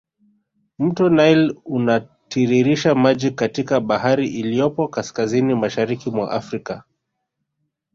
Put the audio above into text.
Mto nile unatiririsha maji katika bahari iliyopo kaskazini mashariki mwa afrika